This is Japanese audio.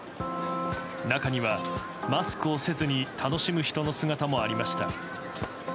中には、マスクをせずに楽しむ人の姿もありました。